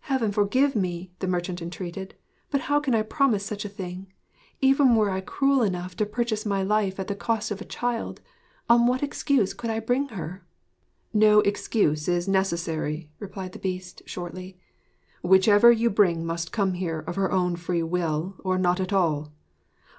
'Heaven forgive me,' the merchant entreated, 'but how can I promise such a thing! Even were I cruel enough to purchase my life at the cost of a child, on what excuse could I bring her?' 'No excuse is necessary,' replied the Beast shortly. 'Whichever you bring must come here of her own free will, or not at all.